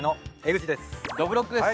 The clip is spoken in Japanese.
どぶろっくです。